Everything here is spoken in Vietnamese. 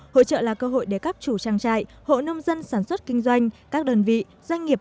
hội trợ là cơ hội để các chủ trang trại hộ nông dân sản xuất kinh doanh các đơn vị doanh nghiệp